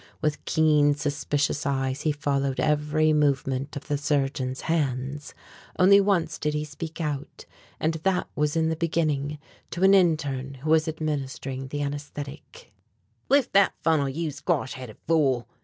With keen, suspicious eyes he followed every movement of the surgeons' hands. Only once did he speak out, and that was in the beginning, to an interne who was administering the anæsthetic: "Lift that funnel, you squash headed fool!"